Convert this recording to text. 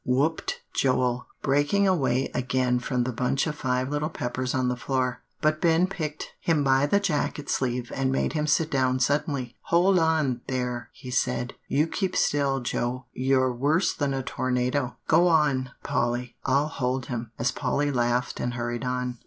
whooped Joel, breaking away again from the bunch of Five Little Peppers on the floor. But Ben picked him by the jacket sleeve and made him sit down suddenly. "Hold on, there," he said; "you keep still, Joe, you're worse than a tornado. Go on, Polly, I'll hold him," as Polly laughed and hurried on.